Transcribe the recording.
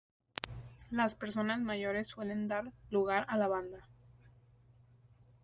Las personas mayores suelen dar lugar a la banda.